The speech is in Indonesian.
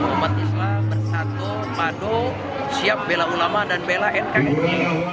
umat islam bersatu padu siap bela ulama dan bela mui